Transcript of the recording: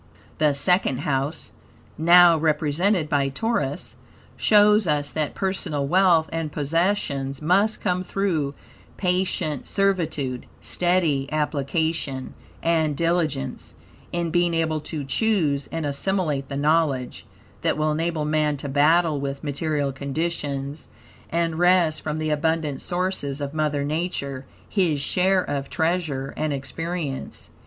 The Second House, now represented by Taurus, shows us that personal wealth and possessions must come through patient servitude, steady application, and diligence, in being able to choose and assimilate the knowledge, that will enable man to battle with material conditions, and wrest from the abundant sources of Mother Nature his share of treasure and experience.